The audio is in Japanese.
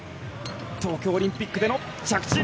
東京オリンピックでの着地。